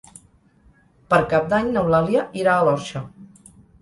Per Cap d'Any n'Eulàlia irà a l'Orxa.